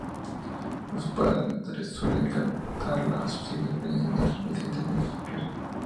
Los padres suelen cantarla a sus hijos pequeños mientras los sientan en sus piernas.